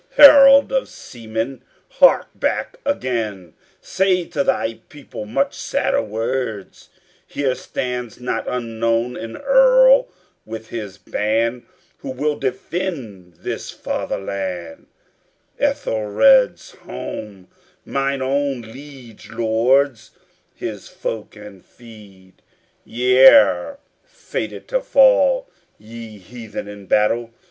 Herald of seamen, hark back again, Say to thy people much sadder words: Here stands not unknown an earl with his band, Who will defend this fatherland, Æthelred's home, mine own liege lord's, His folk and field; ye're fated to fall, Ye heathen, in battle.